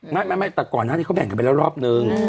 ไม่แต่ก่อนที่เขาแบ่งไปแล้วรอบหนึ่ง